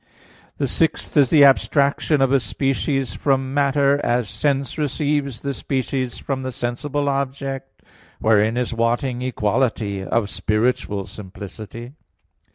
The sixth is the abstraction of a species from matter, as sense receives the species from the sensible object; wherein is wanting equality of spiritual simplicity.